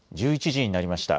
１１時になりました。